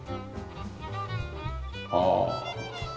ああ。